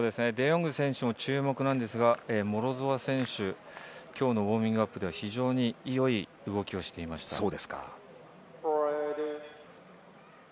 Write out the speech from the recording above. デ・ヨング選手も注目ですが、モロゾワ選手、今日のウオーミングアップでは非常にいい動きをしていました。